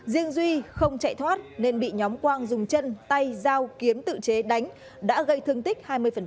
riêng duy không chạy thoát nên bị nhóm quang dùng chân tay dao kiếm tự chế đánh đã gây thương tích hai mươi